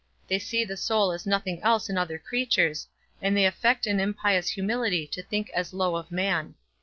They see the soul is nothing else in other creatures, and they affect an impious humility to think as low of man.